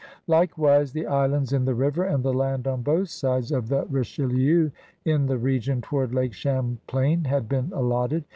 Likewise the islands in the river and the land on both sides of the Richelieu in the r^on toward Lake Cham plain had been allotted.